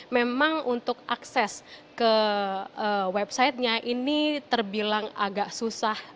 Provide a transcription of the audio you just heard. memang untuk akses ke websitenya ini terbilang agak susah